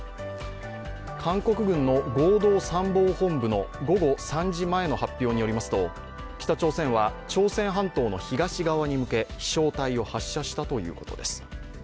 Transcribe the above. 韓国軍の合同参謀本部の午後３時前の発表によりますと北朝鮮は朝鮮半島の東側に向け、飛翔体を発射したということです。